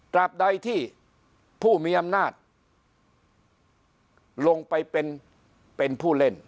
บใดที่ผู้มีอำนาจลงไปเป็นผู้เล่น